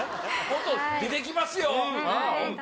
出てきますよ。